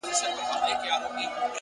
لوړ همت د محدود فکر مخالف دی!.